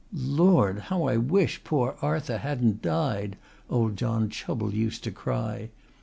"Lord, how I wish poor Arthur hadn't died!" old John Chubble used to cry.